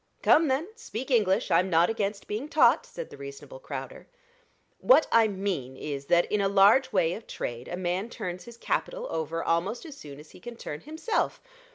"Come, then, speak English; I'm not against being taught," said the reasonable Crowder. "What I mean is, that in a large way of trade a man turns his capital over almost as soon as he can turn himself.